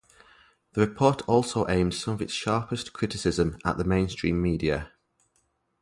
The report also aimed some of its sharpest criticism at the mainstream media.